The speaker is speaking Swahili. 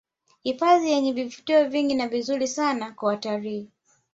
Hifadhi yenye vivutio vingi na vizuri sana kwa watalii